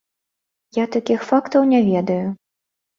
Я такіх фактаў не ведаю.